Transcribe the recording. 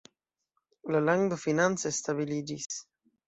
La lando finance stabiliĝis.